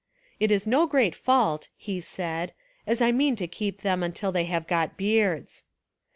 "It is no great fault," he said, "as I mean to keep them till they have got beards."